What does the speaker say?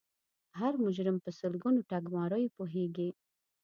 هر مجرم په سلګونو ټګماریو پوهیږي